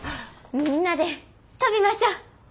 みんなで飛びましょう！